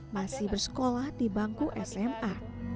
masih bersekolah di bangku sma